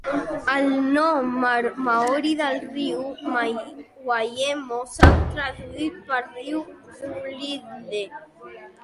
El nom maori del riu, "Waihemo", s'ha traduït per "Riu Dwindle".